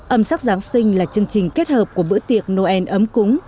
âm sắc giáng sinh là chương trình kết hợp của bữa tiệc noel ấm cúng